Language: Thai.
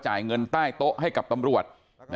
จ่ายเงินใต้โต๊ะให้กับตำรวจ